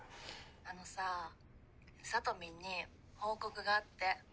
あのさサトミンに報告があって。